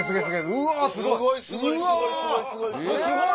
うわすごい！